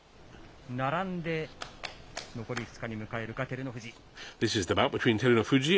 並んで、残り２日に向かえるか、照ノ富士。